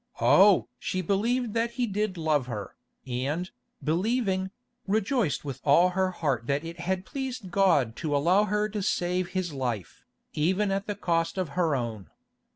Oh! she believed that he did love her, and, believing, rejoiced with all her heart that it had pleased God to allow her to save his life, even at the cost of her own.